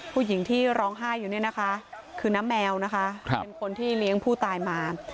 ผู้หญิงที่ร้องไห้อยู่เนี่ยนะคะคือน้าแมวนะคะเป็นคนที่เลี้ยงผู้ตายมา